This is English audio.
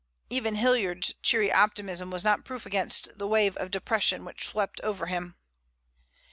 Even Hilliard's cheery optimism was not proof against the wave of depression which swept over him.